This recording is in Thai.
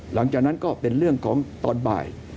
หลังจากนั้นก็เป็นเรื่องของตอนบ่าย